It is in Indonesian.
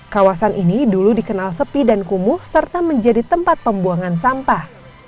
kawasan ini dulu dikenal sepi dan kumuh serta menjadi tempat pembuangan sampah